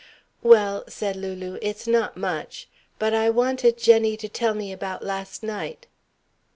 "Well," said Lulu, "it's not much. But I wanted Jenny to tell me about last night."